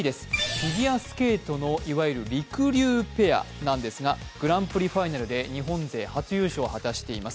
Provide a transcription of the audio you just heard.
フィギュアスケートのいわゆるりくりゅうペアですが、グランプリファイナルで日本勢初優勝を果たしています。